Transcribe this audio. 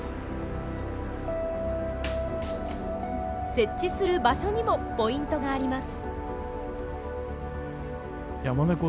設置する場所にもポイントがあります。